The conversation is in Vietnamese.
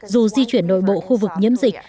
dù di chuyển nội bộ khu vực nhiễm dịch